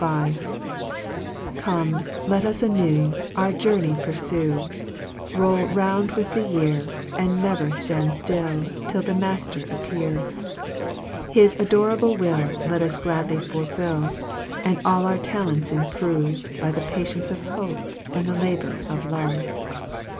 HYMN V. 1 ^~10ME, let us anew, Our journey purfue, V^ Roll round with the year, And never Hand ftill, til! the Maftcr appear : 11 is adorable will, Let us gladly fulfil, And our talents improve By the patience of hope, aud the labour of love.